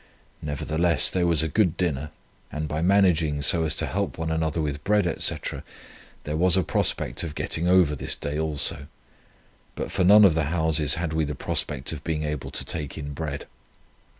Nevertheless there was a good dinner, and by managing so as to help one another with bread, etc., there was a prospect of getting over this day also; but for none of the houses had we the prospect of being able to take in bread.